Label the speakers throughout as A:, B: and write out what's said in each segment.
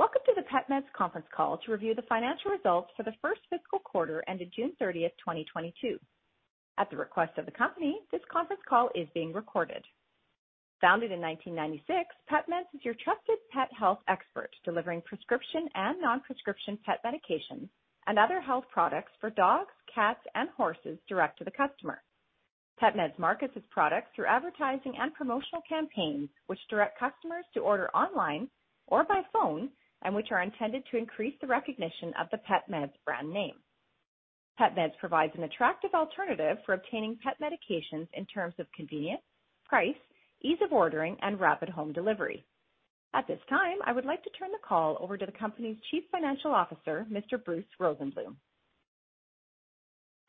A: Welcome to the PetMeds Conference Call to review the financial results for the First Fiscal Quarter ended 30 June 2022. At the request of the company, this conference call is being recorded. Founded in 1996, PetMeds is your trusted pet health expert, delivering prescription and non-prescription pet medications and other health products for dogs, cats, and horses direct to the customer. PetMeds markets its products through advertising and promotional campaigns which direct customers to order online or by phone and which are intended to increase the recognition of the PetMeds brand name. PetMeds provides an attractive alternative for obtaining pet medications in terms of convenience, price, ease of ordering, and rapid home delivery. At this time, I would like to turn the call over to the company's Chief Financial Officer, Mr. Bruce Rosenbloom.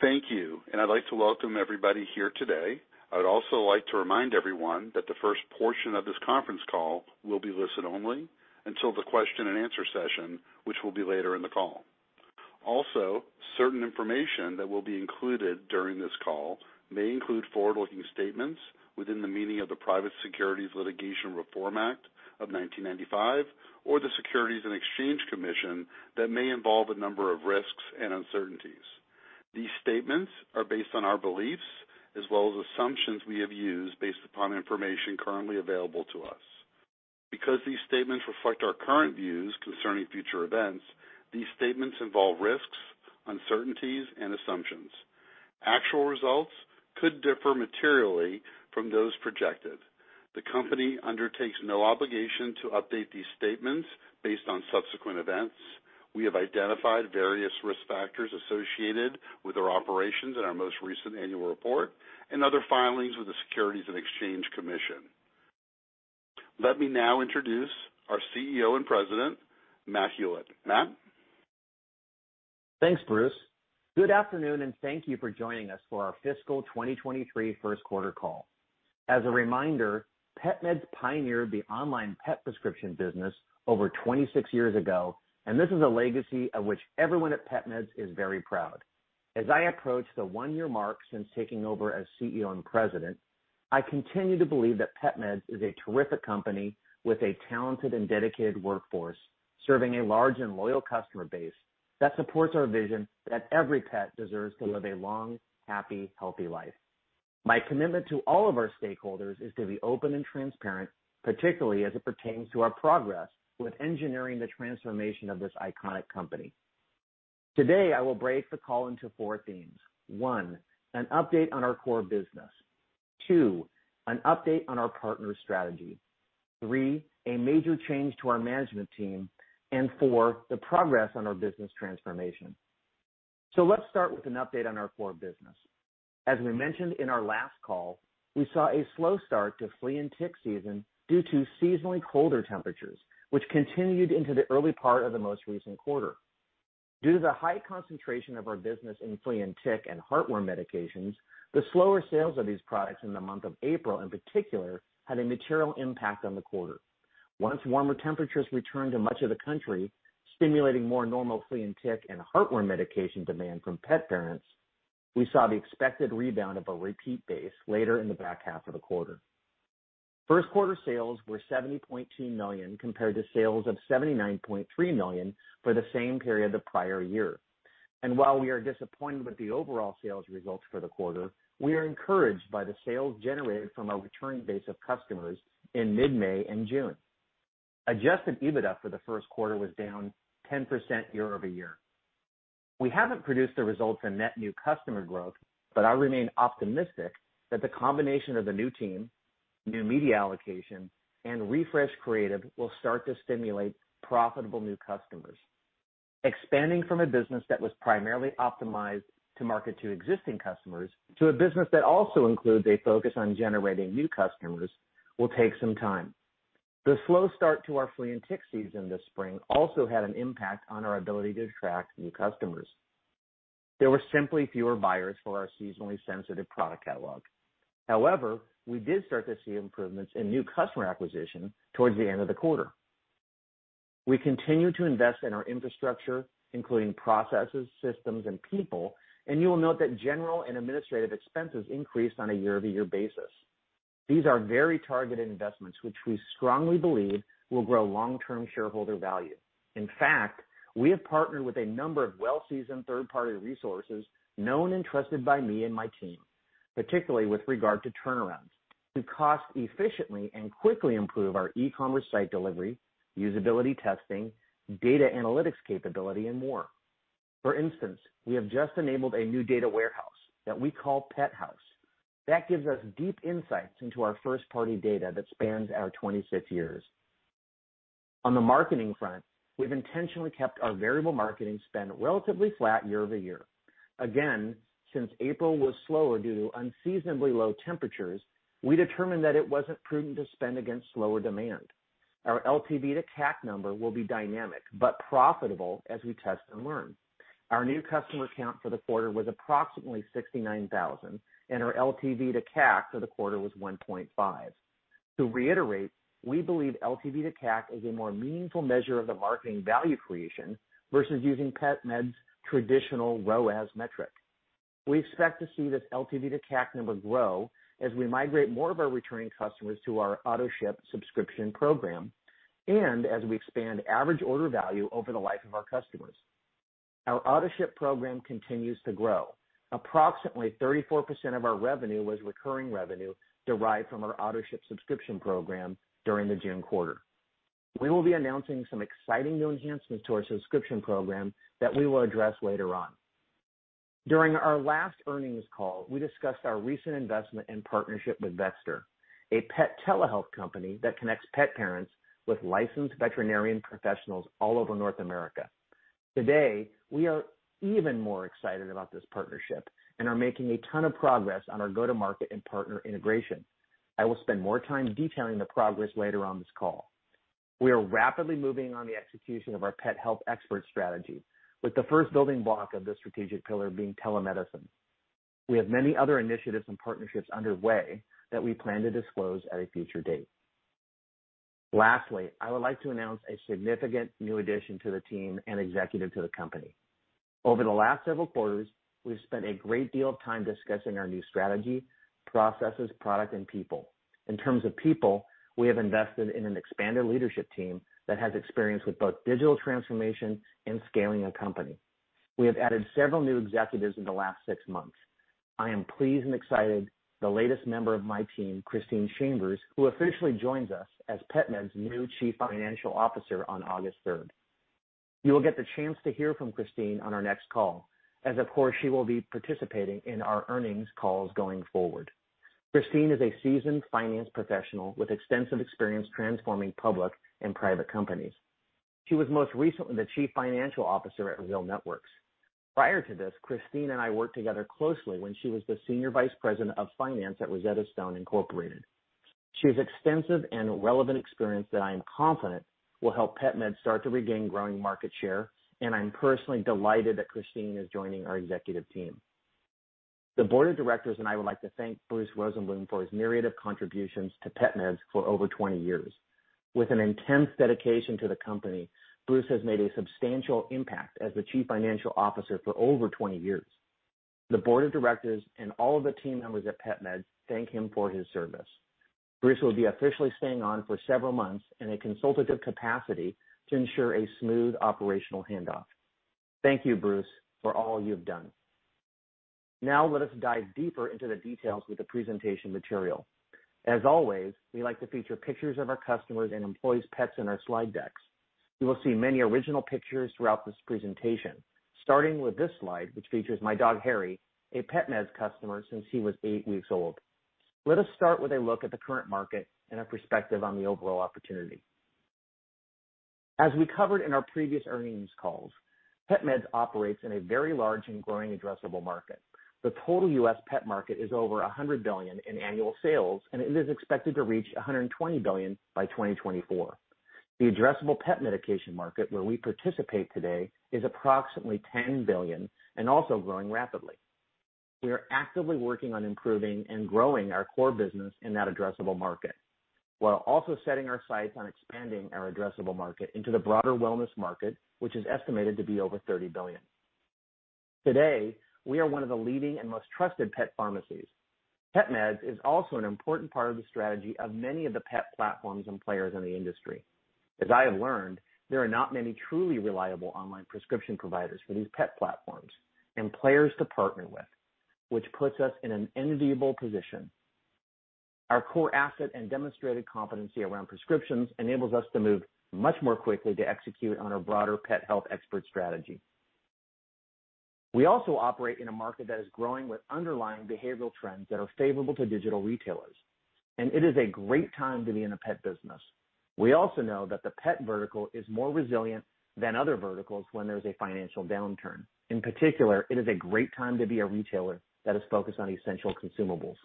B: Thank you, and I'd like to welcome everybody here today. I would also like to remind everyone that the first portion of this conference call will be listen only until the question and answer session, which will be later in the call. Also, certain information that will be included during this call may include forward-looking statements within the meaning of the Private Securities Litigation Reform Act of 1995 or the Securities and Exchange Commission that may involve a number of risks and uncertainties. These statements are based on our beliefs as well as assumptions we have used based upon information currently available to us. Because these statements reflect our current views concerning future events, these s tatements involve risks, uncertainties and assumptions. Actual results could differ materially from those projected. The company undertakes no obligation to update these statements based on subsequent events. We have identified various risk factors associated with our operations in our most recent annual report and other filings with the Securities and Exchange Commission. Let me now introduce our CEO and President, Matt Hulett. Matt?
C: Thanks, Bruce. Good afternoon, and thank you for joining us for our fiscal 2023 first quarter call. As a reminder, PetMeds pioneered the online pet prescription business over 26 years ago, and this is a legacy of which everyone at PetMeds is very proud. As I approach the one-year mark since taking over as CEO and president, I continue to believe that PetMeds is a terrific company with a talented and dedicated workforce, serving a large and loyal customer base that supports our vision that every pet deserves to live a long, happy, healthy life. My commitment to all of our stakeholders is to be open and transparent, particularly as it pertains to our progress with engineering the transformation of this iconic company. Today, I will break the call into four themes. One, an update on our core business. Two, an update on our partner strategy. Three, a major change to our management team. Four, the progress on our business transformation. Let's start with an update on our core business. As we mentioned in our last call, we saw a slow start to flea and tick season due to seasonally colder temperatures, which continued into the early part of the most recent quarter. Due to the high concentration of our business in flea and tick and heartworm medications, the slower sales of these products in the month of April, in particular, had a material impact on the quarter. Once warmer temperatures returned to much of the country, stimulating more normal flea and tick and heartworm medication demand from pet parents, we saw the expected rebound of a repeat base later in the back half of the quarter. First quarter sales were $70.2 million compared to sales of $79.3 million for the same period the prior year. While we are disappointed with the overall sales results for the quarter, we are encouraged by the sales generated from a returning base of customers in mid-May and June. Adjusted EBITDA for the first quarter was down 10% year-over-year. We haven't produced the results in net new customer growth, but I remain optimistic that the combination of the new team, new media allocation, and refreshed creative will start to stimulate profitable new customers. Expanding from a business that was primarily optimized to market to existing customers to a business that also includes a focus on generating new customers will take some time. The slow start to our flea and tick season this spring also had an impact on our ability to attract new customers. There were simply fewer buyers for our seasonally sensitive product catalog. However, we did start to see improvements in new customer acquisition towards the end of the quarter. We continue to invest in our infrastructure, including processes, systems, and people, and you will note that general and administrative expenses increased on a year-over-year basis. These are very targeted investments, which we strongly believe will grow long-term shareholder value. In fact, we have partnered with a number of well-seasoned third-party resources known and trusted by me and my team, particularly with regard to turnarounds, to cost efficiently and quickly improve our e-commerce site delivery, usability testing, data analytics capability, and more. For instance, we have just enabled a new data warehouse that we call Pet House. That gives us deep insights into our first-party data that spans our 26 years. On the marketing front, we've intentionally kept our variable marketing spend relatively flat year-over-year. Again, since April was slower due to unseasonably low temperatures, we determined that it wasn't prudent to spend against slower demand. Our LTV to CAC number will be dynamic but profitable as we test and learn. Our new customer count for the quarter was approximately 69,000, and our LTV to CAC for the quarter was 1.5x. To reiterate, we believe LTV to CAC is a more meaningful measure of the marketing value creation versus using PetMeds traditional ROAS metric. We expect to see this LTV to CAC number grow as we migrate more of our returning customers to our AutoShip subscription program and as we expand average order value over the life of our customers. Our AutoShip program continues to grow. Approximately 34% of our revenue was recurring revenue derived from our AutoShip subscription program during the June quarter. We will be announcing some exciting new enhancements to our subscription program that we will address later on. During our last earnings call, we discussed our recent investment and partnership with Vetster, a pet telehealth company that connects pet parents with licensed veterinarian professionals all over North America. Today, we are even more excited about this partnership and are making a ton of progress on our go-to-market and partner integration. I will spend more time detailing the progress later on this call. We are rapidly moving on the execution of our pet health expert strategy with the first building block of this strategic pillar being telemedicine. We have many other initiatives and partnerships underway that we plan to disclose at a future date. Lastly, I would like to announce a significant new addition to the team and executive to the company. Over the last several quarters, we've spent a great deal of time discussing our new strategy, processes, product and people. In terms of people, we have invested in an expanded leadership team that has experience with both digital transformation and scaling a company. We have added several new executives in the last six months. I am pleased and excited. The latest member of my team, Christine Chambers, who officially joins us as PetMeds' new Chief Financial Officer on 3 August 2023. You will get the chance to hear from Christine on our next call as, of course, she will be participating in our earnings calls going forward. Christine is a seasoned finance professional with extensive experience transforming public and private companies. She was most recently the Chief Financial Officer at RealNetworks. Prior to this, Christine and I worked together closely when she was the Senior Vice President of Finance at Rosetta Stone, Incorporated. She has extensive and relevant experience that I am confident will help PetMeds start to regain growing market share, and I'm personally delighted that Christine is joining our executive team. The board of directors and I would like to thank Bruce Rosenbloom for his myriad of contributions to PetMeds for over 20 years. With an intense dedication to the company, Bruce has made a substantial impact as the Chief Financial Officer for over 20 years. The board of directors and all of the team members at PetMed thank him for his service. Bruce will be officially staying on for several months in a consultative capacity to ensure a smooth operational handoff. Thank you, Bruce, for all you've done. Now let us dive deeper into the details with the presentation material. As always, we like to feature pictures of our customers and employees' pets in our slide decks. You will see many original pictures throughout this presentation, starting with this slide, which features my dog, Harry, a PetMeds customer since he was eight weeks old. Let us start with a look at the current market and our perspective on the overall opportunity. As we covered in our previous earnings calls, PetMeds operates in a very large and growing addressable market. The total US pet market is over $100 billion in annual sales, and it is expected to reach $120 billion by 2024. The addressable pet medication market, where we participate today, is approximately $10 billion and also growing rapidly. We are actively working on improving and growing our core business in that addressable market, while also setting our sights on expanding our addressable market into the broader wellness market, which is estimated to be over $30 billion. Today, we are one of the leading and most trusted pet pharmacies. PetMeds is also an important part of the strategy of many of the pet platforms and players in the industry. As I have learned, there are not many truly reliable online prescription providers for these pet platforms and players to partner with, which puts us in an enviable position. Our core asset and demonstrated competency around prescriptions enables us to move much more quickly to execute on our broader pet health expert strategy. We also operate in a market that is growing with underlying behavioral trends that are favorable to digital retailers, and it is a great time to be in a pet business. We also know that the pet vertical is more resilient than other verticals when there's a financial downturn. In particular, it is a great time to be a retailer that is focused on essential consumables.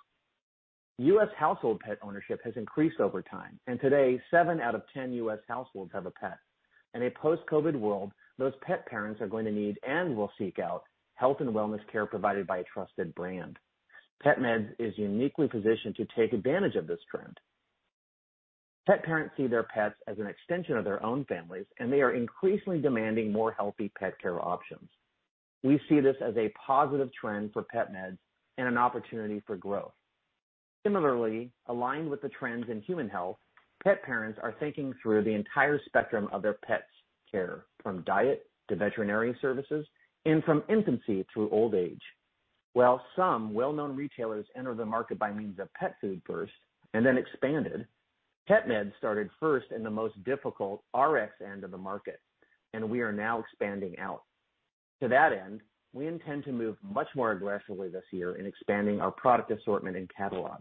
C: US household pet ownership has increased over time, and today, seven out of ten US households have a pet. In a post-COVID world, those pet parents are going to need and will seek out health and wellness care provided by a trusted brand. PetMeds is uniquely positioned to take advantage of this trend. Pet parents see their pets as an extension of their own families, and they are increasingly demanding more healthy pet care options. We see this as a positive trend for PetMeds and an opportunity for growth. Similarly, aligned with the trends in human health, pet parents are thinking through the entire spectrum of their pets' care, from diet to veterinarian services and from infancy through old age. While some well-known retailers enter the market by means of pet food first and then expanded, PetMeds started first in the most difficult RX end of the market, and we are now expanding out. To that end, we intend to move much more aggressively this year in expanding our product assortment and catalog.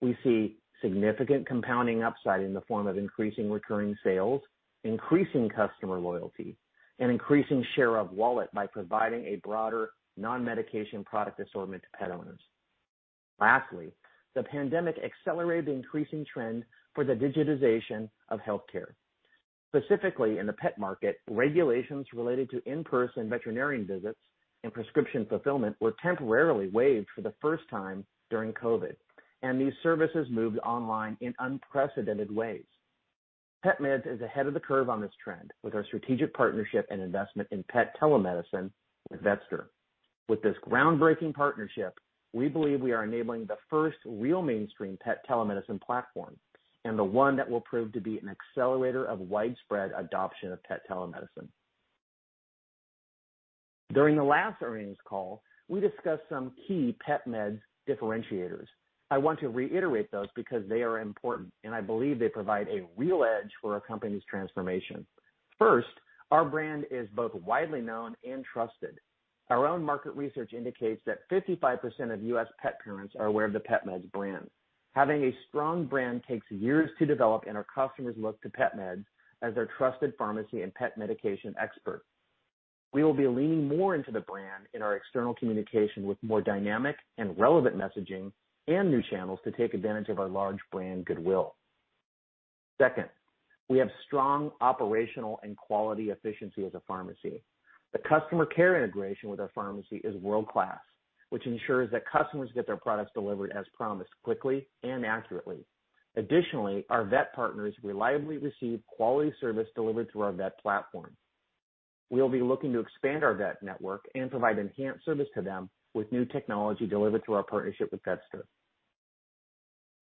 C: We see significant compounding upside in the form of increasing recurring sales, increasing customer loyalty, and increasing share of wallet by providing a broader non-medication product assortment to pet owners. Lastly, the pandemic accelerated the increasing trend for the digitization of healthcare. Specifically in the pet market, regulations related to in-person veterinarian visits and prescription fulfillment were temporarily waived for the first time during COVID, and these services moved online in unprecedented ways. PetMeds is ahead of the curve on this trend with our strategic partnership and investment in pet telemedicine with Vetster. With this groundbreaking partnership, we believe we are enabling the first real mainstream pet telemedicine platform and the one that will prove to be an accelerator of widespread adoption of pet telemedicine. During the last earnings call, we discussed some key PetMeds differentiators. I want to reiterate those because they are important, and I believe they provide a real edge for our company's transformation. First, our brand is both widely known and trusted. Our own market research indicates that 55% of US pet parents are aware of the PetMeds brand. Having a strong brand takes years to develop, and our customers look to PetMeds as their trusted pharmacy and pet medication expert. We will be leaning more into the brand in our external communication with more dynamic and relevant messaging and new channels to take advantage of our large brand goodwill. Second, we have strong operational and quality efficiency as a pharmacy. The customer care integration with our pharmacy is world-class, which ensures that customers get their products delivered as promised, quickly and accurately. Additionally, our vet partners reliably receive quality service delivered through our vet platform. We'll be looking to expand our vet network and provide enhanced service to them with new technology delivered through our partnership with Vetster.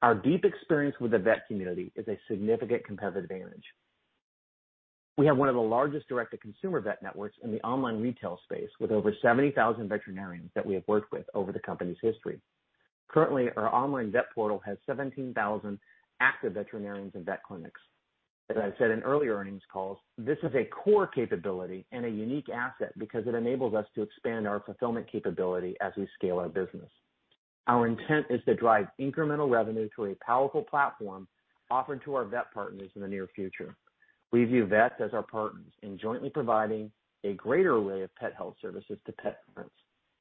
C: Our deep experience with the vet community is a significant competitive advantage. We have one of the largest direct-to-consumer vet networks in the online retail space, with over 70,000 veterinarians that we have worked with over the company's history. Currently, our online vet portal has 17,000 active veterinarians and vet clinics. As I said in earlier earnings calls, this is a core capability and a unique asset because it enables us to expand our fulfillment capability as we scale our business. Our intent is to drive incremental revenue through a powerful platform offered to our vet partners in the near future. We view vets as our partners in jointly providing a greater array of pet health services to pet parents.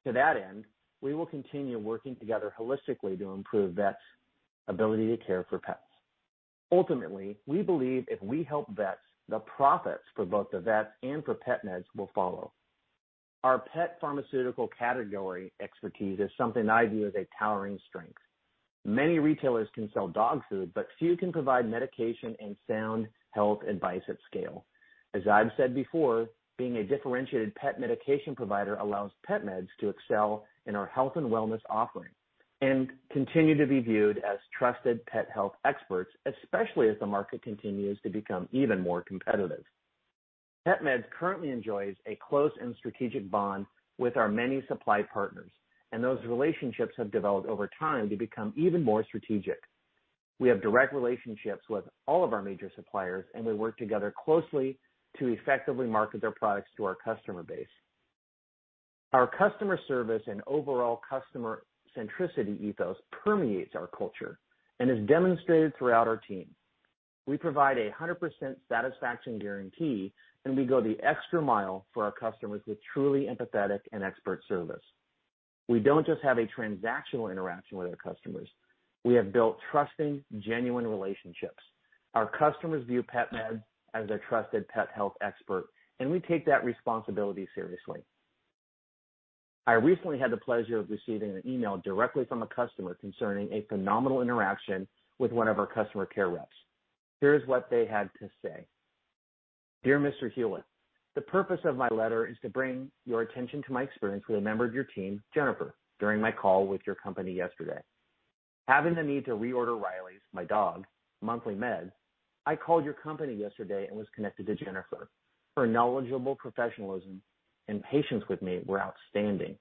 C: To that end, we will continue working together holistically to improve vets' ability to care for pets. Ultimately, we believe if we help vets, the profits for both the vets and for PetMeds will follow. Our pet pharmaceutical category expertise is something I view as a towering strength. Many retailers can sell dog food, but few can provide medication and sound health advice at scale. As I've said before, being a differentiated pet medication provider allows PetMeds to excel in our health and wellness offering and continue to be viewed as trusted pet health experts, especially as the market continues to become even more competitive. PetMeds currently enjoys a close and strategic bond with our many supply partners, and those relationships have developed over time to become even more strategic. We have direct relationships with all of our major suppliers, and we work together closely to effectively market their products to our customer base. Our customer service and overall customer centricity ethos permeates our culture and is demonstrated throughout our team. We provide 100% satisfaction guarantee, and we go the extra mile for our customers with truly empathetic and expert service. We don't just have a transactional interaction with our customers. We have built trusting, genuine relationships. Our customers view PetMeds as their trusted pet health expert, and we take that responsibility seriously. I recently had the pleasure of receiving an email directly from a customer concerning a phenomenal interaction with one of our customer care reps. Here's what they had to say. "Dear Mr. Hulett. The purpose of my letter is to bring your attention to my experience with a member of your team, Jennifer, during my call with your company yesterday. Having the need to reorder Riley's, my dog, monthly meds, I called your company yesterday and was connected to Jennifer. Her knowledgeable professionalism and patience with me were outstanding.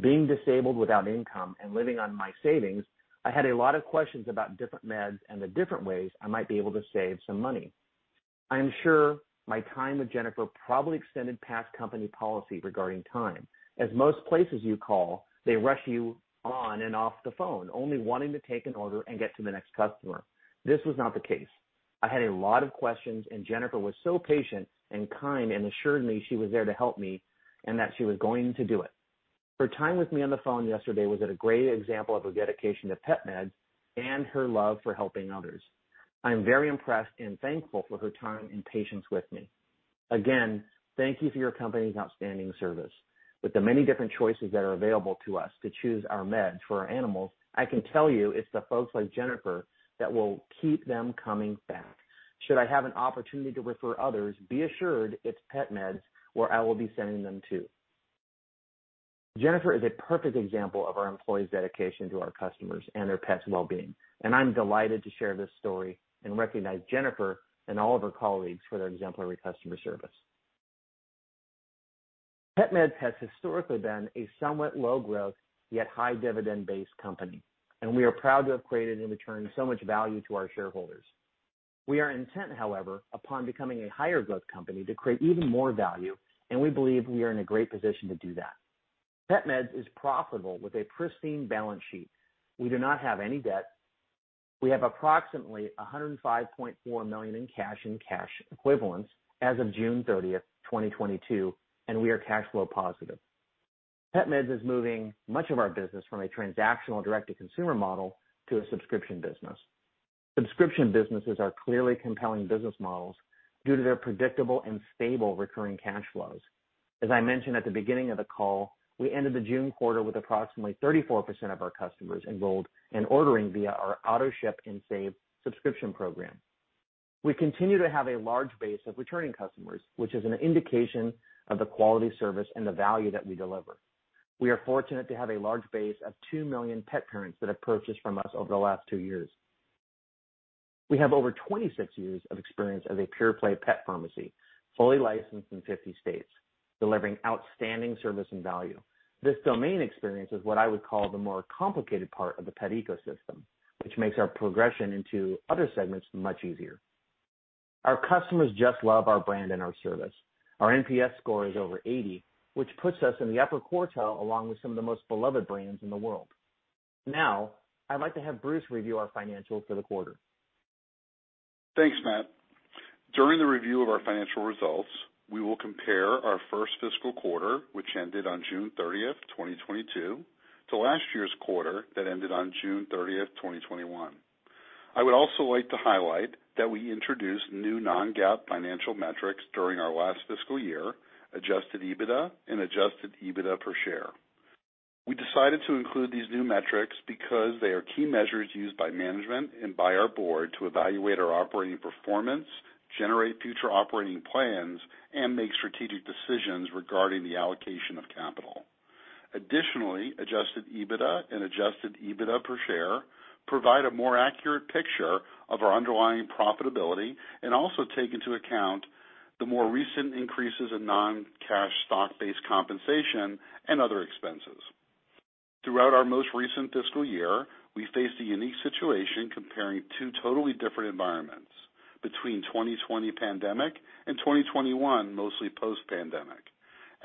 C: Being disabled without income and living on my savings, I had a lot of questions about different meds and the different ways I might be able to save some money. I am sure my time with Jennifer probably extended past company policy regarding time, as most places you call, they rush you on and off the phone, only wanting to take an order and get to the next customer. This was not the case. I had a lot of questions, and Jennifer was so patient and kind and assured me she was there to help me and that she was going to do it. Her time with me on the phone yesterday was a great example of her dedication to PetMeds and her love for helping others. I am very impressed and thankful for her time and patience with me. Again, thank you for your company's outstanding service. With the many different choices that are available to us to choose our meds for our animals, I can tell you it's the folks like Jennifer that will keep them coming back. Should I have an opportunity to refer others, be assured it's PetMeds where I will be sending them to." Jennifer is a perfect example of our employees' dedication to our customers and their pets' well-being, and I'm delighted to share this story and recognize Jennifer and all of her colleagues for their exemplary customer service. PetMeds has historically been a somewhat low-growth yet high dividend-based company, and we are proud to have created and returned so much value to our shareholders. We are intent, however, upon becoming a higher growth company to create even more value, and we believe we are in a great position to do that. PetMeds is profitable with a pristine balance sheet. We do not have any debt. We have approximately $105.4 million in cash and cash equivalents as of 30 June 2022, and we are cash flow positive. PetMeds is moving much of our business from a transactional direct-to-consumer model to a subscription business. Subscription businesses are clearly compelling business models due to their predictable and stable recurring cash flows. As I mentioned at the beginning of the call, we ended the June quarter with approximately 34% of our customers enrolled and ordering via our Auto Ship and Save subscription program. We continue to have a large base of returning customers, which is an indication of the quality service and the value that we deliver. We are fortunate to have a large base of 2 million pet parents that have purchased from us over the last two years. We have over 26 years of experience as a pure play pet pharmacy, fully licensed in 50 states, delivering outstanding service and value. This domain experience is what I would call the more complicated part of the pet ecosystem, which makes our progression into other segments much easier. Our customers just love our brand and our service. Our NPS score is over 80, which puts us in the upper quartile, along with some of the most beloved brands in the world. Now, I'd like to have Bruce review our financials for the quarter.
B: Thanks, Matt. During the review of our financial results, we will compare our first fiscal quarter, which ended on 30 June 2022, to last year's quarter that ended on 30 June 2021. I would also like to highlight that we introduced new non-GAAP financial metrics during our last fiscal year, adjusted EBITDA and adjusted EBITDA per share. We decided to include these new metrics because they are key measures used by management and by our board to evaluate our operating performance, generate future operating plans, and make strategic decisions regarding the allocation of capital. Additionally, adjusted EBITDA and adjusted EBITDA per share provide a more accurate picture of our underlying profitability and also take into account the more recent increases in non-cash stock-based compensation and other expenses. Throughout our most recent fiscal year, we faced a unique situation comparing two totally different environments between 2020 pandemic and 2021, mostly post-pandemic.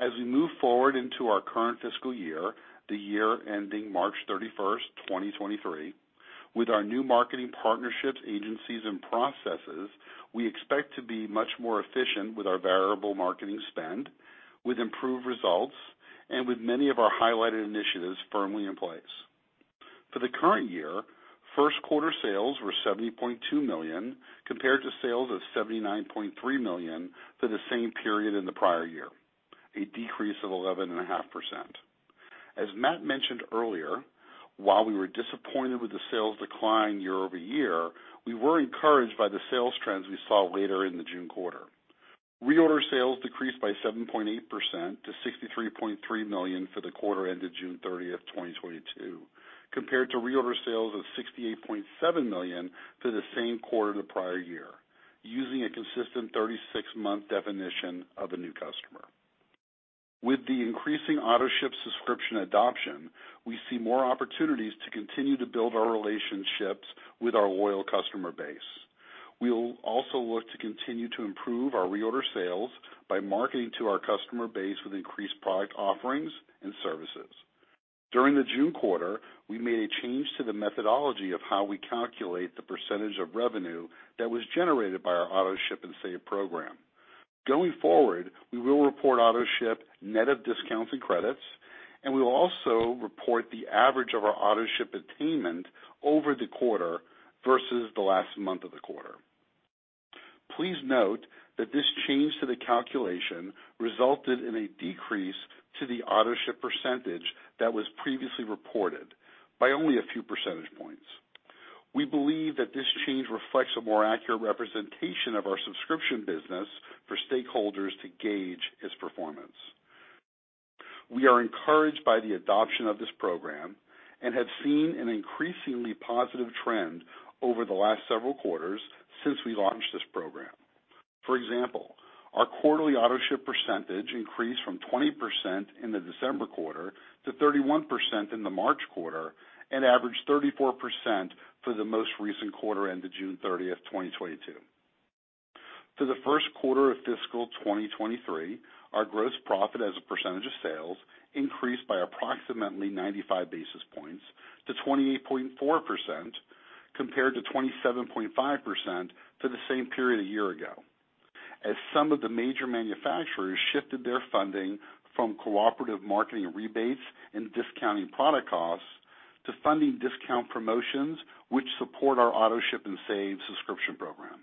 B: As we move forward into our current fiscal year, the year ending 31 March 2023, with our new marketing partnerships, agencies and processes, we expect to be much more efficient with our variable marketing spend with improved results and with many of our highlighted initiatives firmly in place. For the current year, first quarter sales were $70.2 million compared to sales of $79.3 million for the same period in the prior year, a decrease of 11.5%. As Matt mentioned earlier, while we were disappointed with the sales decline year-over-year, we were encouraged by the sales trends we saw later in the June quarter. Reorder sales decreased by 7.8% to $63.3 million for the quarter ended 30 June 2022, compared to reorder sales of $68.7 million for the same quarter the prior year, using a consistent 36-month definition of a new customer. With the increasing AutoShip subscription adoption, we see more opportunities to continue to build our relationships with our loyal customer base. We will also look to continue to improve our reorder sales by marketing to our customer base with increased product offerings and services. During the June quarter, we made a change to the methodology of how we calculate the percentage of revenue that was generated by our AutoShip and Save program. Going forward, we will report AutoShip net of discounts and credits, and we will also report the average of our AutoShip attainment over the quarter versus the last month of the quarter. Please note that this change to the calculation resulted in a decrease to the AutoShip percentage that was previously reported by only a few percentage points. We believe that this change reflects a more accurate representation of our subscription business for stakeholders to gauge its performance. We are encouraged by the adoption of this program and have seen an increasingly positive trend over the last several quarters since we launched this program. For example, our quarterly AutoShip percentage increased from 20% in the December quarter to 31% in the March quarter and averaged 34% for the most recent quarter ended 30 June 2022. For the first quarter of fiscal 2023, our gross profit as a percentage of sales increased by approximately 95 basis points to 28.4%, compared to 27.5% for the same period a year ago as some of the major manufacturers shifted their funding from cooperative marketing rebates and discounting product costs to funding discount promotions which support our Auto Ship and Save subscription program.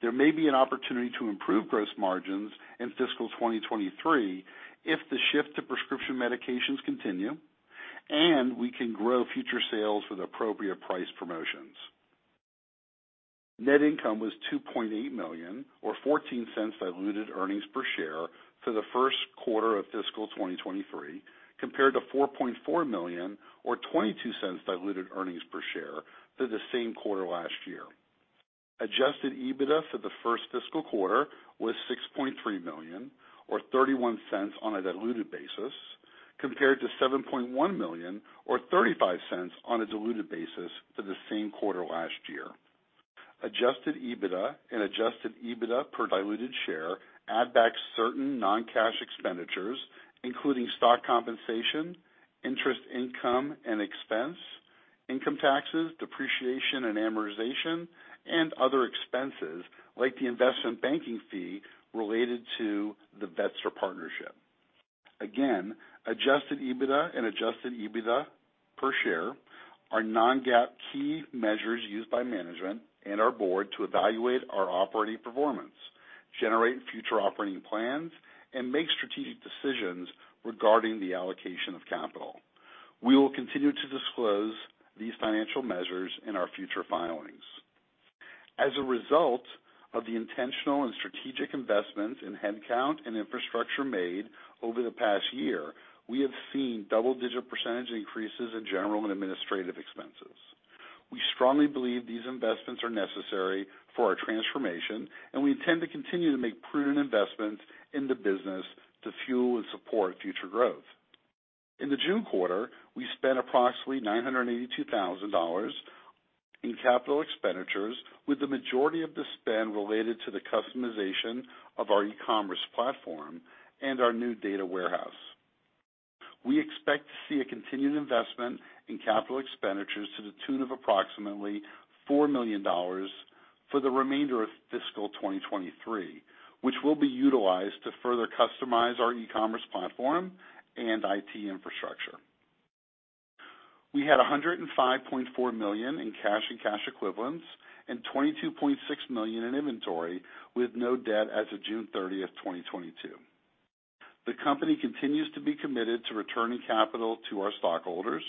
B: There may be an opportunity to improve gross margins in fiscal 2023 if the shift to prescription medications continue and we can grow future sales with appropriate price promotions. Net income was $2.8 million, or $0.14 diluted earnings per share for the first quarter of fiscal 2023, compared to $4.4 million or $0.22 diluted earnings per share for the same quarter last year. Adjusted EBITDA for the first fiscal quarter was $6.3 million or $0.31 on a diluted basis, compared to $7.1 million or $0.35 on a diluted basis for the same quarter last year. Adjusted EBITDA and adjusted EBITDA per diluted share add back certain non-cash expenditures, including stock compensation, interest income and expense, income taxes, depreciation and amortization, and other expenses like the investment banking fee related to the Vetster partnership. Again, adjusted EBITDA and adjusted EBITDA per share are non-GAAP key measures used by management and our board to evaluate our operating performance, generate future operating plans, and make strategic decisions regarding the allocation of capital. We will continue to disclose these financial measures in our future filings. As a result of the intentional and strategic investments in headcount and infrastructure made over the past year, we have seen double-digit percentage increases in general and administrative expenses. We strongly believe these investments are necessary for our transformation, and we intend to continue to make prudent investments in the business to fuel and support future growth. In the June quarter, we spent approximately $982,000 in capital expenditures, with the majority of the spend related to the customization of our e-commerce platform and our new data warehouse. We expect to see a continued investment in capital expenditures to the tune of approximately $4 million for the remainder of fiscal 2023, which will be utilized to further customize our e-commerce platform and IT infrastructure. We had $105.4 million in cash and cash equivalents and $22.6 million in inventory, with no debt as of 30 June 2022. The company continues to be committed to returning capital to our stockholders.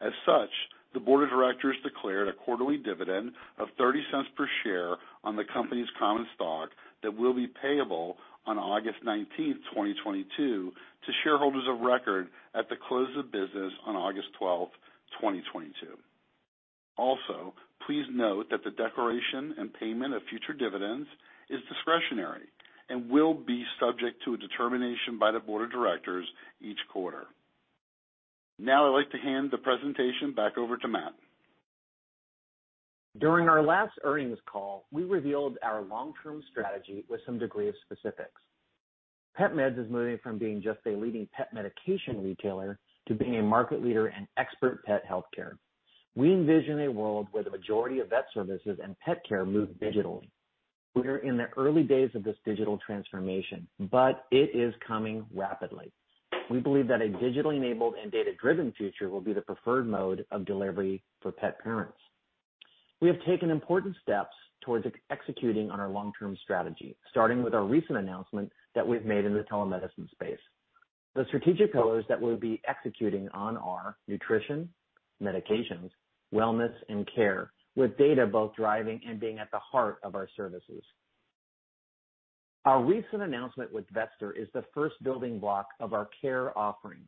B: As such, the board of directors declared a quarterly dividend of $0.30 per share on the company's common stock that will be payable on 19 August 2022, to shareholders of record at the close of business on 12 August 2022. Also, please note that the declaration and payment of future dividends is discretionary and will be subject to a determination by the board of directors each quarter. Now I'd like to hand the presentation back over to Matt.
C: During our last earnings call, we revealed our long-term strategy with some degree of specifics. PetMeds is moving from being just a leading pet medication retailer to being a market leader in expert pet health care. We envision a world where the majority of vet services and pet care move digitally. We are in the early days of this digital transformation, but it is coming rapidly. We believe that a digitally enabled and data-driven future will be the preferred mode of delivery for pet parents. We have taken important steps towards executing on our long-term strategy, starting with our recent announcement that we've made in the telemedicine space. The strategic pillars that we'll be executing on are nutrition, medications, wellness, and care, with data both driving and being at the heart of our services. Our recent announcement with Vetster is the first building block of our care offering.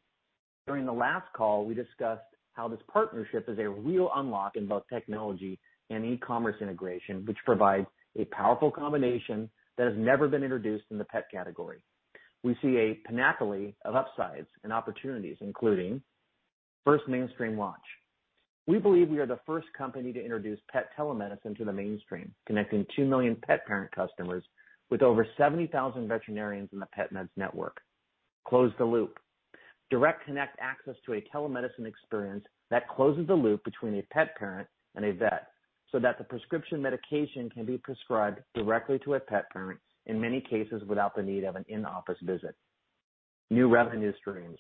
C: During the last call, we discussed how this partnership is a real unlock in both technology and e-commerce integration, which provides a powerful combination that has never been introduced in the pet category. We see a panoply of upsides and opportunities, including first mainstream launch. We believe we are the first company to introduce pet telemedicine to the mainstream, connecting 2 million pet parent customers with over 70,000 veterinarians in the PetMeds network. Close the loop. Direct connect access to a telemedicine experience that closes the loop between a pet parent and a vet so that the prescription medication can be prescribed directly to a pet parent, in many cases without the need of an in-office visit. New revenue streams.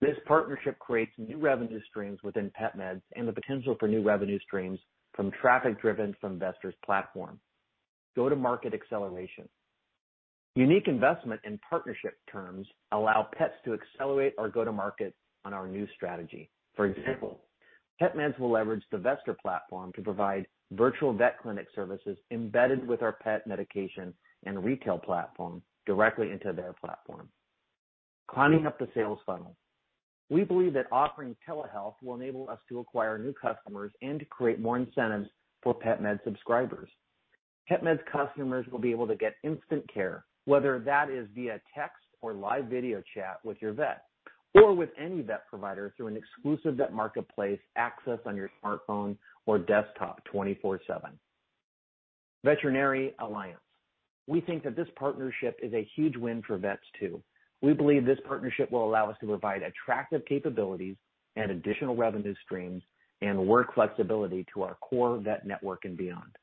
C: This partnership creates new revenue streams within PetMeds and the potential for new revenue streams from traffic driven from Vetster's platform. Go-to-market acceleration. Unique investment and partnership terms allow pets to accelerate our go-to-market on our new strategy. For example, PetMeds will leverage the Vetster platform to provide virtual vet clinic services embedded with our pet medication and retail platform directly into their platform. Climbing up the sales funnel. We believe that offering telehealth will enable us to acquire new customers and create more incentives for PetMeds subscribers. PetMeds customers will be able to get instant care, whether that is via text or live video chat with your vet or with any vet provider through an exclusive vet marketplace access on your smartphone or desktop 24/7. Veterinary alliance. We think that this partnership is a huge win for vets too. We believe this partnership will allow us to provide attractive capabilities and additional revenue streams and work flexibility to our core vet network and beyond.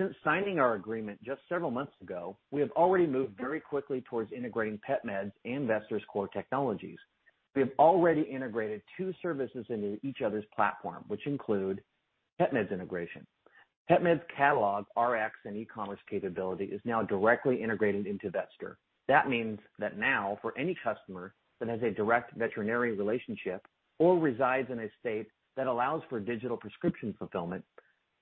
C: Since signing our agreement just several months ago, we have already moved very quickly towards integrating PetMeds and Vetster's core technologies. We have already integrated two services into each other's platform, which include PetMeds integration. PetMeds catalog, RX, and e-commerce capability is now directly integrated into Vetster. That means that now for any customer that has a direct veterinary relationship or resides in a state that allows for digital prescription fulfillment,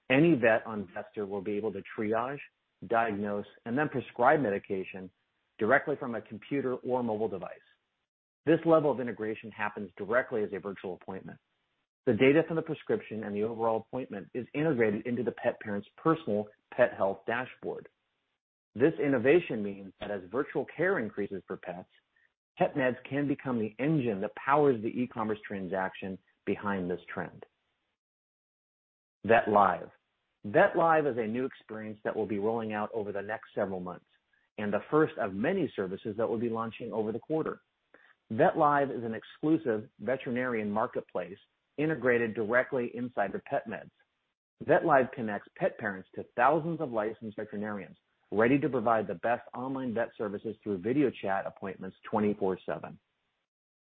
C: any vet on Vetster will be able to triage, diagnose, and then prescribe medication directly from a computer or mobile device. This level of integration happens directly as a virtual appointment. The data from the prescription and the overall appointment is integrated into the pet parent's personal pet health dashboard. This innovation means that as virtual care increases for pets, PetMeds can become the engine that powers the e-commerce transaction behind this trend. VetLive. VetLive is a new experience that we'll be rolling out over the next several months and the first of many services that we'll be launching over the quarter. VetLive is an exclusive veterinarian marketplace integrated directly inside of PetMeds. VetLive connects pet parents to thousands of licensed veterinarians ready to provide the best online vet services through video chat appointments 24/7.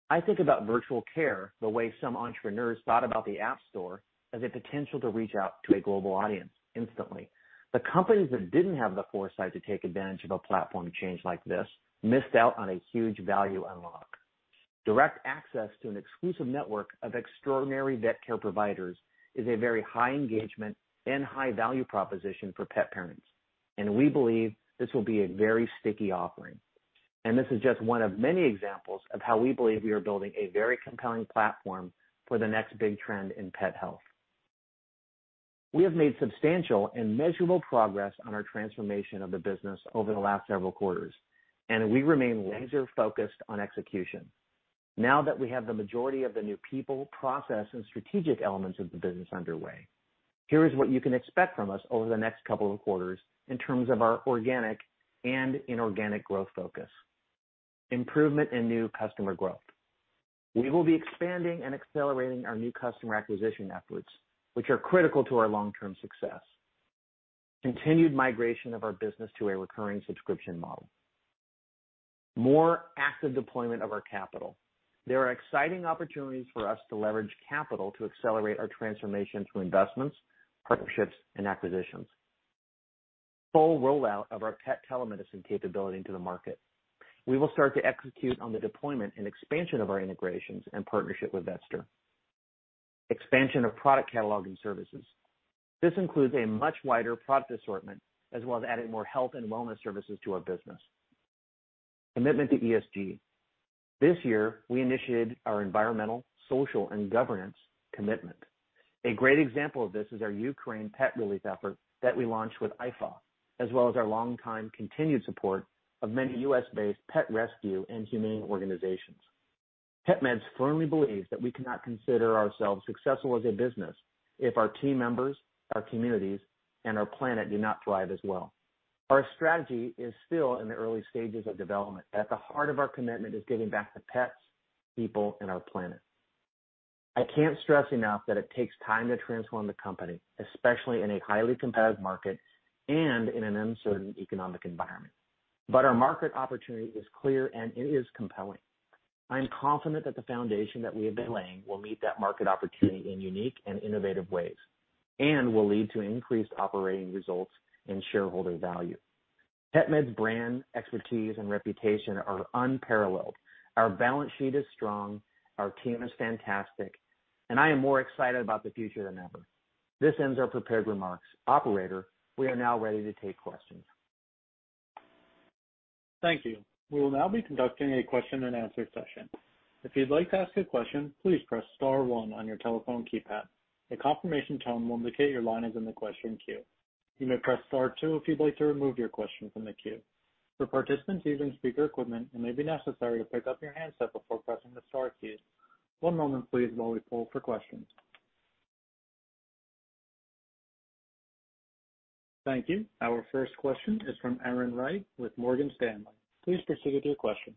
C: I think about virtual care the way some entrepreneurs thought about the App Store as a potential to reach out to a global audience instantly. The companies that didn't have the foresight to take advantage of a platform change like this missed out on a huge value unlock. Direct access to an exclusive network of extraordinary vet care providers is a very high engagement and high-value proposition for pet parents, and we believe this will be a very sticky offering. This is just one of many examples of how we believe we are building a very compelling platform for the next big trend in pet health. We have made substantial and measurable progress on our transformation of the business over the last several quarters, and we remain laser-focused on execution. Now that we have the majority of the new people, process, and strategic elements of the business underway, here is what you can expect from us over the next couple of quarters in terms of our organic and inorganic growth focus. Improvement in new customer growth. We will be expanding and accelerating our new customer acquisition efforts, which are critical to our long-term success. Continued migration of our business to a recurring subscription model. More active deployment of our capital. There are exciting opportunities for us to leverage capital to accelerate our transformation through investments, partnerships, and acquisitions. Full rollout of our pet telemedicine capability into the market. We will start to execute on the deployment and expansion of our integrations and partnership with Vetster. Expansion of product catalog and services. This includes a much wider product assortment, as well as adding more health and wellness services to our business. Commitment to ESG. This year, we initiated our environmental, social, and governance commitment. A great example of this is our Ukraine pet relief effort that we launched with IFAW, as well as our longtime continued support of many US-based pet rescue and humane organizations. PetMeds firmly believes that we cannot consider ourselves successful as a business if our team members, our communities, and our planet do not thrive as well. Our strategy is still in the early stages of development. At the heart of our commitment is giving back to pets, people, and our planet. I can't stress enough that it takes time to transform the company, especially in a highly competitive market and in an uncertain economic environment. Our market opportunity is clear, and it is compelling. I'm confident that the foundation that we have been laying will meet that market opportunity in unique and innovative ways and will lead to increased operating results and shareholder value. PetMeds' brand expertise and reputation are unparalleled. Our balance sheet is strong, our team is fantastic, and I am more excited about the future than ever. This ends our prepared remarks. Operator, we are now ready to take questions.
A: Thank you. We will now be conducting a question-and-answer session. If you'd like to ask a question, please press star one on your telephone keypad. A confirmation tone will indicate your line is in the question queue. You may press star two if you'd like to remove your question from the queue. For participants using speaker equipment, it may be necessary to pick up your handset before pressing the star keys. One moment please while we poll for questions. Thank you. Our first question is from Erin Wright with Morgan Stanley. Please proceed with your question.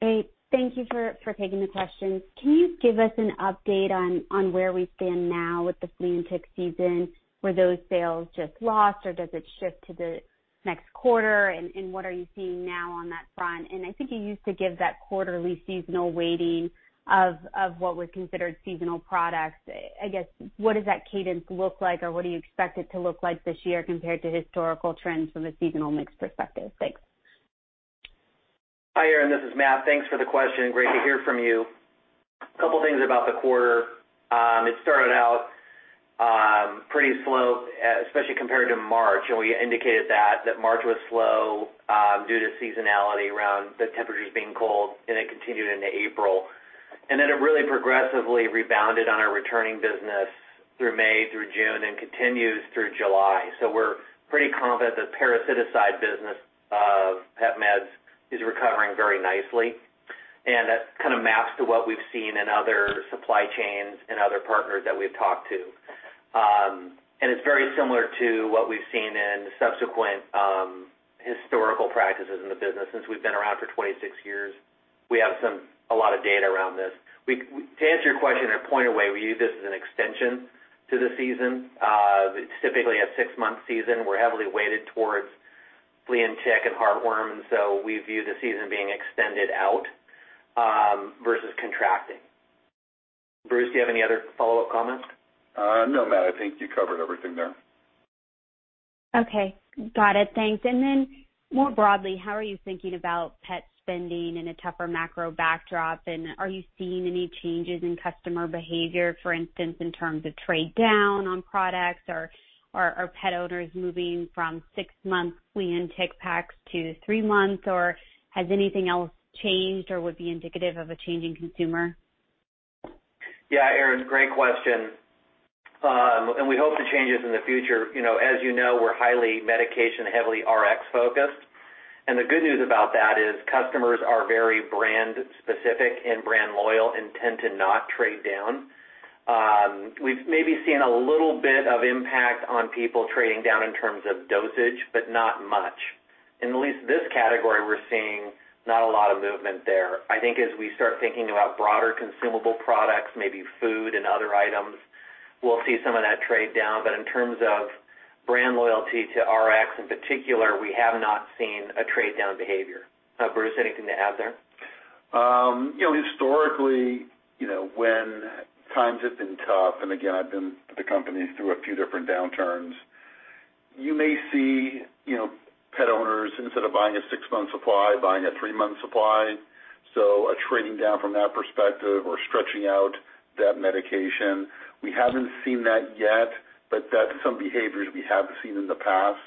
D: Hey, thank you for taking the questions. Can you give us an update on where we stand now with the flea and tick season? Were those sales just lost, or does it shift to the next quarter? What are you seeing now on that front? I think you used to give that quarterly seasonal weighting of what was considered seasonal products. I guess what does that cadence look like, or what do you expect it to look like this year compared to historical trends from a seasonal mix perspective? Thanks.
C: Hi, Erin. This is Matt. Thanks for the question. Great to hear from you. A couple things about the quarter. It started out pretty slow, especially compared to March. We indicated that March was slow due to seasonality around the temperatures being cold, and it continued into April. Then it really progressively rebounded on our returning business through May, through June, and continues through July. We're pretty confident the parasite side business of PetMeds is recovering very nicely. That kind of maps to what we've seen in other supply chains and other partners that we've talked to. It's very similar to what we've seen in subsequent historical practices in the business. Since we've been around for 26 years, we have a lot of data around this. To answer your question or point of view, we view this as an extension to the season. It's typically a six-month season. We're heavily weighted towards flea and tick and heartworm, and so we view the season being extended out, versus contracting. Bruce, do you have any other follow-up comments?
B: No, Matt, I think you covered everything there.
D: Okay. Got it. Thanks. More broadly, how are you thinking about pet spending in a tougher macro backdrop? Are you seeing any changes in customer behavior, for instance, in terms of trade down on products or are pet owners moving from six-month flea and tick packs to three months, or has anything else changed or would be indicative of a changing consumer?
C: Yeah, Erin, great question. We hope for changes in the future. You know, as you know, we're highly medication, heavily RX-focused. The good news about that is customers are very brand-specific and brand-loyal and tend to not trade down. We've maybe seen a little bit of impact on people trading down in terms of dosage, but not much. In at least this category, we're seeing not a lot of movement there. I think as we start thinking about broader consumable products, maybe food and other items, we'll see some of that trade down. In terms of brand loyalty to Rx in particular, we have not seen a trade down behavior. Bruce, anything to add there?
B: You know, historically, you know, when times have been tough, and again, I've been with the company through a few different downturns, you may see, you know, pet owners, instead of buying a six-month supply, buying a three-month supply. A trading down from that perspective or stretching out that medication. We haven't seen that yet, but that's some behaviors we have seen in the past.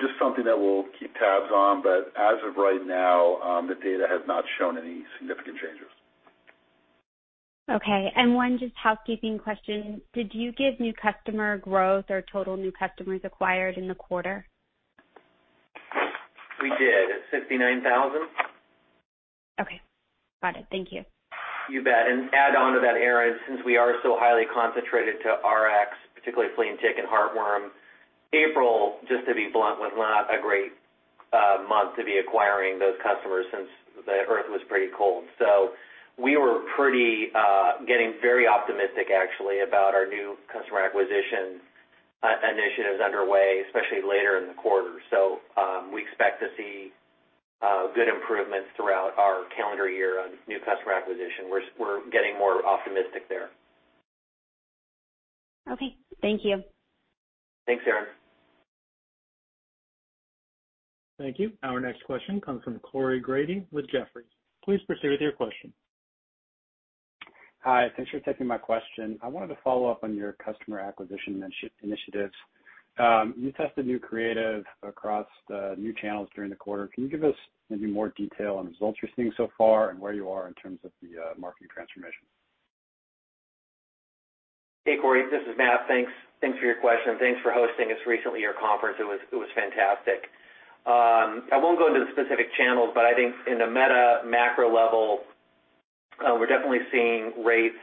B: Just something that we'll keep tabs on, but as of right now, the data has not shown any significant changes.
D: Okay. One last housekeeping question: Did you give new customer growth or total new customers acquired in the quarter?
C: We did. It's 69,000.
D: Okay. Got it. Thank you.
C: You bet. Add on to that, Erin, since we are so highly concentrated to Rx, particularly flea and tick and heartworm, April, just to be blunt, was not a great month to be acquiring those customers since the weather was pretty cold. We were pretty, getting very optimistic actually about our new customer acquisition initiatives underway, especially later in the quarter. We expect to see good improvements throughout our calendar year on new customer acquisition. We're getting more optimistic there.
D: Okay. Thank you.
C: Thanks, Erin.
A: Thank you. Our next question comes from Corey Grady with Jefferies. Please proceed with your question.
E: Hi. Thanks for taking my question. I wanted to follow up on your customer acquisition initiatives. You tested new creative across the new channels during the quarter. Can you give us maybe more detail on results you're seeing so far and where you are in terms of the marketing transformation?
C: Hey, Corey, this is Matt. Thanks for your question. Thanks for hosting us recently at your conference. It was fantastic. I won't go into the specific channels, but I think at a macro level, we're definitely seeing rates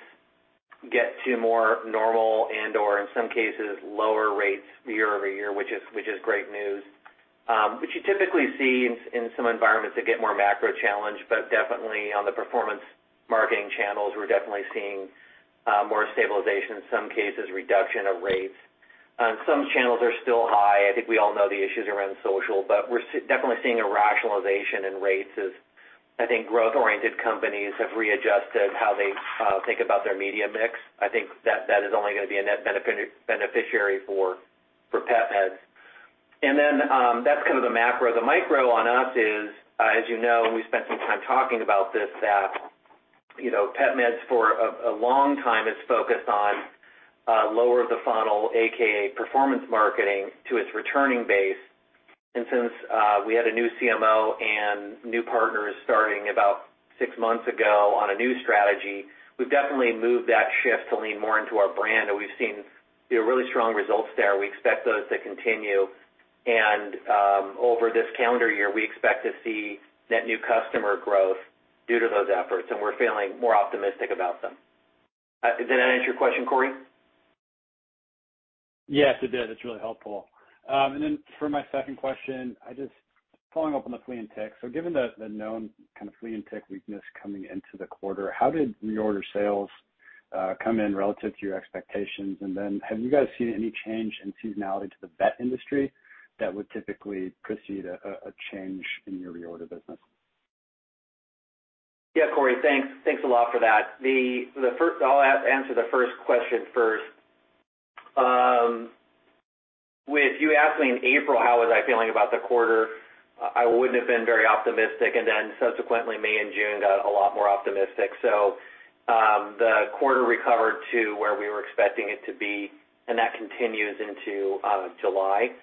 C: get to more normal and/or in some cases, lower rates year-over-year, which is great news. Which you typically see in some environments that get more macro challenged, but definitely on the performance marketing channels, we're definitely seeing more stabilization, in some cases, reduction of rates. Some channels are still high. I think we all know the issues around social, but we're definitely seeing a rationalization in rates as I think growth-oriented companies have readjusted how they think about their media mix. I think that is only gonna be a net beneficiary for PetMeds. That's kind of the macro. The micro on us is, as you know, and we spent some time talking about this, that, you know, PetMeds for a long time is focused on lower the funnel, AKA performance marketing to its returning base. Since we had a new CMO and new partners starting about six months ago on a new strategy, we've definitely moved that shift to lean more into our brand, and we've seen, you know, really strong results there. We expect those to continue. Over this calendar year, we expect to see net new customer growth due to those efforts, and we're feeling more optimistic about them. Did that answer your question, Corey?
E: Yes, it did. That's really helpful. For my second question, I'm just following up on the flea and tick. Given the known kind of flea and tick weakness coming into the quarter, how did reorder sales come in relative to your expectations? Have you guys seen any change in seasonality to the vet industry that would typically precede a change in your reorder business?
C: Yeah, Corey. Thanks. Thanks a lot for that. The first. I'll answer the first question first. With you asking in April how was I feeling about the quarter, I wouldn't have been very optimistic, and then subsequently May and June got a lot more optimistic. The quarter recovered to where we were expecting it to be, and that continues into July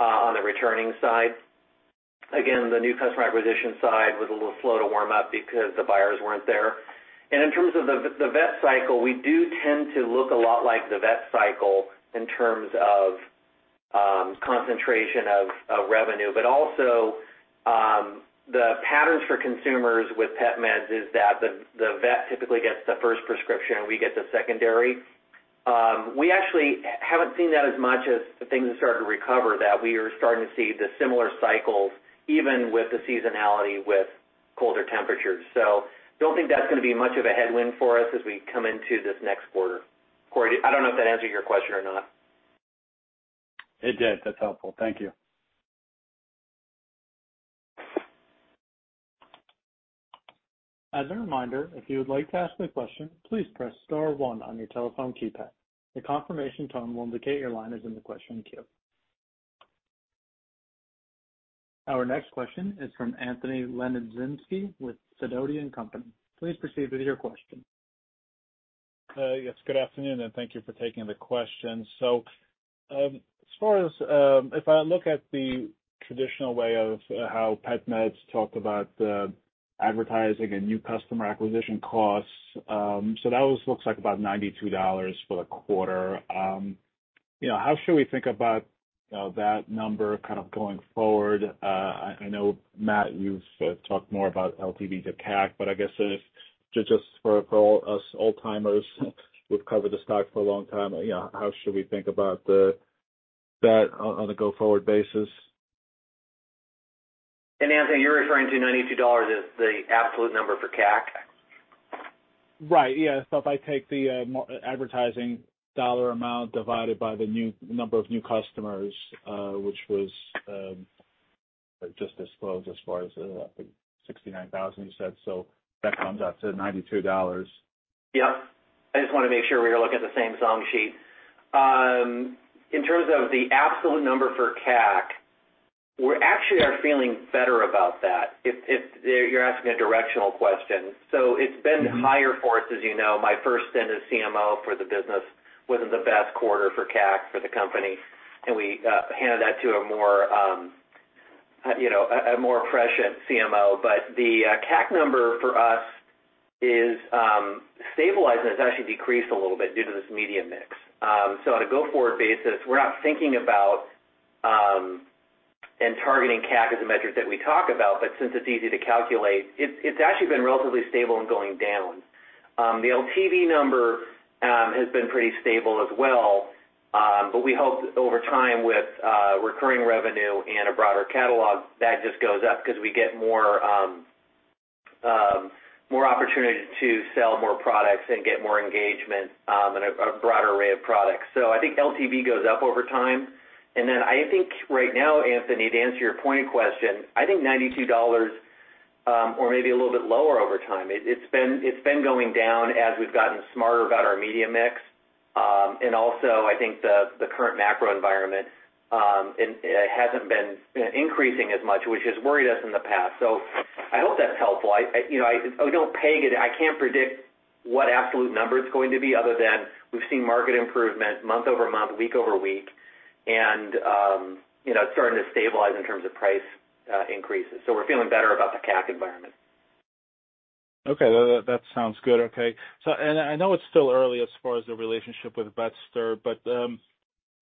C: on the returning side. Again, the new customer acquisition side was a little slow to warm up because the buyers weren't there. In terms of the vet cycle, we do tend to look a lot like the vet cycle in terms of concentration of revenue. Also, the patterns for consumers with PetMeds is that the vet typically gets the first prescription, we get the secondary. We actually haven't seen that as much as the things have started to recover, that we are starting to see the similar cycles, even with the seasonality with colder temperatures. Don't think that's gonna be much of a headwind for us as we come into this next quarter. Corey, I don't know if that answered your question or not.
E: It did. That's helpful. Thank you.
A: As a reminder, if you would like to ask a question, please press star one on your telephone keypad. A confirmation tone will indicate your line is in the question queue. Our next question is from Anthony Lebiedzinski with Sidoti & Company. Please proceed with your question.
F: Yes, good afternoon, and thank you for taking the question. As far as, if I look at the traditional way of how PetMeds talked about advertising and new customer acquisition costs, looks like about $92 for the quarter. You know, how should we think about that number kind of going forward? I know, Matt, you've talked more about LTV to CAC, but I guess if just for all us old-timers who've covered the stock for a long time, you know, how should we think about that on a go-forward basis?
C: Anthony, you're referring to $92 as the absolute number for CAC?
F: Right. Yeah. If I take the advertising dollar amount divided by the number of new customers, which was just disclosed as far as the 69,000 you said, so that comes out to $92.
C: Yep. I just want to make sure we were looking at the same song sheet. In terms of the absolute number for CAC, we actually are feeling better about that if you're asking a directional question. It's been higher for us, as you know. My first stint as CMO for the business wasn't the best quarter for CAC for the company, and we handed that to a more, you know, a more fresh CMO. The CAC number for us is stabilizing. It's actually decreased a little bit due to this media mix. On a go-forward basis, we're not thinking about and targeting CAC as a metric that we talk about, but since it's easy to calculate, it's actually been relatively stable and going down. The LTV number has been pretty stable as well, but we hope over time with recurring revenue and a broader catalog, that just goes up cause we get more opportunities to sell more products and get more engagement in a broader array of products. I think LTV goes up over time. Then I think right now, Anthony, to answer your pointed question, I think $92 or maybe a little bit lower over time. It's been going down as we've gotten smarter about our media mix. And also I think the current macro environment, it hasn't been increasing as much, which has worried us in the past. I hope that's helpful. I, you know, I don't peg it. I can't predict what absolute number it's going to be other than we've seen market improvement month over month, week over week, and, you know, it's starting to stabilize in terms of price, increases. We're feeling better about the CAC environment.
F: Okay. That sounds good. Okay. I know it's still early as far as the relationship with Vetster, but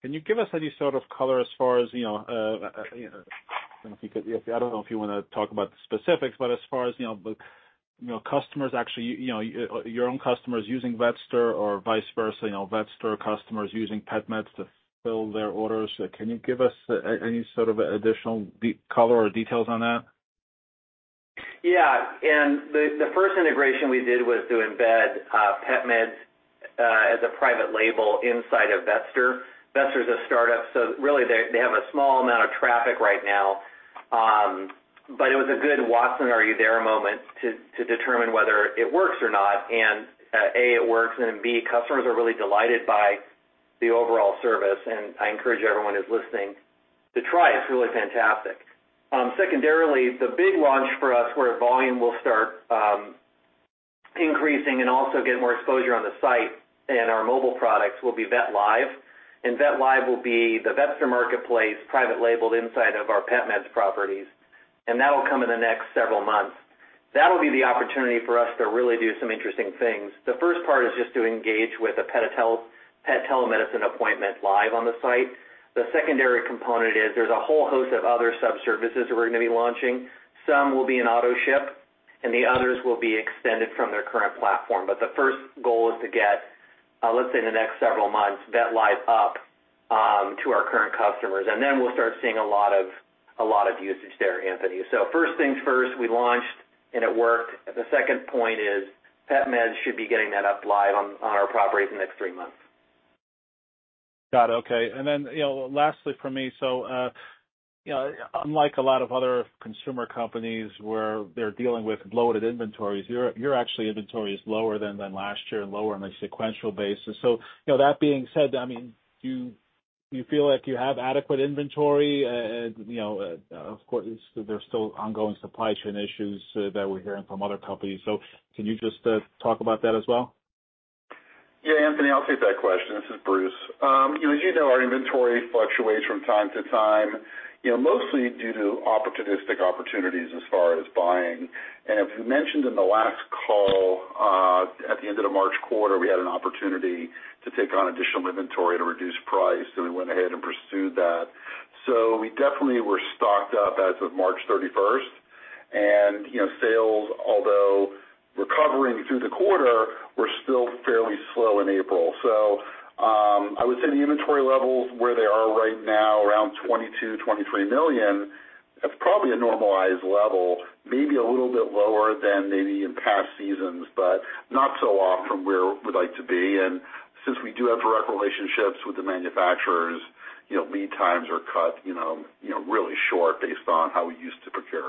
F: can you give us any sort of color as far as, you know, if you could. I don't know if you want to talk about the specifics, but as far as, you know, the, you know, customers actually, you know, your own customers using Vetster or vice versa, you know, Vetster customers using PetMeds to fill their orders. Can you give us any sort of additional color or details on that?
C: Yeah. The first integration we did was to embed PetMeds as a private label inside of Vetster. Vetster is a startup, so really they have a small amount of traffic right now. But it was a good Watson, are you there moment to determine whether it works or not. A, it works, and B, customers are really delighted by the overall service, and I encourage everyone who's listening to try. It's really fantastic. Secondarily, the big launch for us where volume will start increasing and also get more exposure on the site and our mobile products will be VetLive. VetLive will be the Vetster marketplace private labeled inside of our PetMeds properties. That'll come in the next several months. That'll be the opportunity for us to really do some interesting things. The first part is just to engage with a pet telemedicine appointment live on the site. The secondary component is there's a whole host of other sub-services that we're gonna be launching. Some will be in AutoShip, and the others will be extended from their current platform. The first goal is to get, let's say in the next several months, VetLive up to our current customers, and then we'll start seeing a lot of usage there, Anthony. First things first, we launched, and it worked. The second point is PetMeds should be getting that up live on our properties in the next three months.
F: Got it. Okay. Then, you know, lastly for me, you know, unlike a lot of other consumer companies where they're dealing with bloated inventories, your actually inventory is lower than last year and lower on a sequential basis. You know, that being said, I mean, do you feel like you have adequate inventory? You know, of course, there's still ongoing supply chain issues that we're hearing from other companies. Can you just talk about that as well?
B: Yeah, Anthony, I'll take that question. This is Bruce. You know, as you know, our inventory fluctuates from time to time, you know, mostly due to opportunistic opportunities as far as buying. As we mentioned in the last call, at the end of the March quarter, we had an opportunity to take on additional inventory at a reduced price, so we went ahead and pursued that. We definitely were stocked up as of 31 March 2023. You know, sales, although recovering through the quarter, were still fairly slow in April. I would say the inventory levels where they are right now, around $22 to 23 million, that's probably a normalized level, maybe a little bit lower than maybe in past seasons, but not so off from where we'd like to be. Since we do have direct relationships with the manufacturers, you know, lead times are cut, you know, really short based on how we used to procure.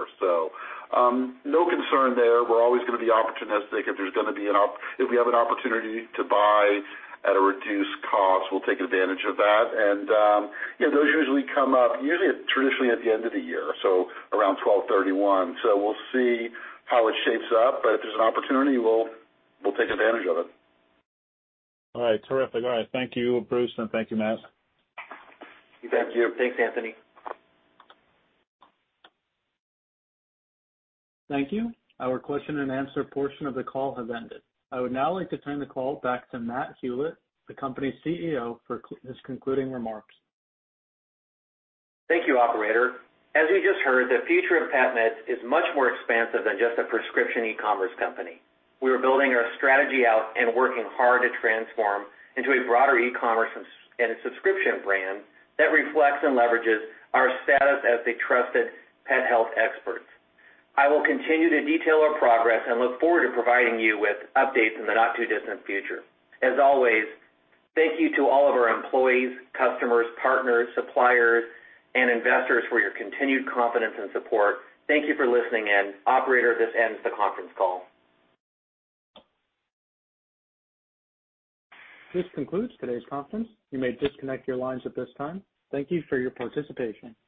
B: No concern there. We're always gonna be opportunistic. If we have an opportunity to buy at a reduced cost, we'll take advantage of that. You know, those usually come up traditionally at the end of the year, so around 31 December 2023. We'll see how it shapes up, but if there's an opportunity, we'll take advantage of it.
F: All right. Terrific. All right. Thank you, Bruce, and thank you, Matt.
C: You betcha. Thanks, Anthony.
A: Thank you. Our question and answer portion of the call has ended. I would now like to turn the call back to Matt Hulett, the company's CEO, for his concluding remarks.
C: Thank you, operator. As you just heard, the future of PetMeds is much more expansive than just a prescription e-commerce company. We are building our strategy out and working hard to transform into a broader e-commerce and a subscription brand that reflects and leverages our status as the trusted pet health experts. I will continue to detail our progress and look forward to providing you with updates in the not-too-distant future. As always, thank you to all of our employees, customers, partners, suppliers, and investors for your continued confidence and support. Thank you for listening in. Operator, this ends the conference call.
A: This concludes today's conference. You may disconnect your lines at this time. Thank you for your participation.